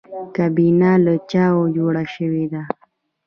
کابینه له چا جوړه شوې ده؟